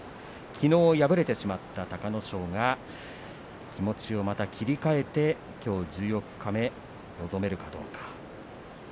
きのう敗れてしまった隆の勝が気持ちを切り替えてきょう十四日目、臨めるかどうか。